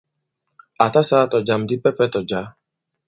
À ta sāā tɔ̀jam dipɛpɛ tɔ̀ jǎ.